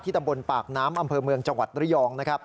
ตำบลปากน้ำอำเภอเมืองจังหวัดระยองนะครับ